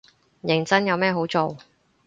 認真，有咩好做